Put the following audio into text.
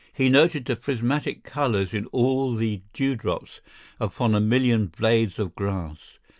He noted the prismatic colors in all the dewdrops upon a million blades of grass.